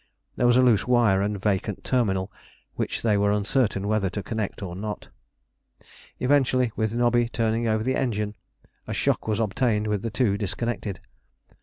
There was a loose wire and vacant terminal which they were uncertain whether to connect or not. Eventually, with Nobby turning over the engine, a shock was obtained with the two disconnected.